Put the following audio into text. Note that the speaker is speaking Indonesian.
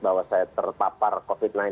bahwa saya terpapar covid sembilan belas